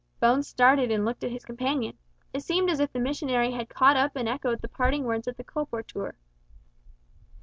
'" Bones started and looked at his companion. It seemed as if the missionary had caught up and echoed the parting words of the colporteur.